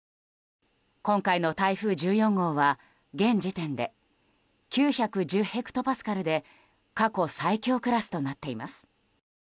今回の台風１４号は現時点で９１０ヘクトパスカルで過去最強クラスとなっています。